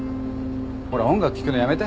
ほら音楽聴くのやめて。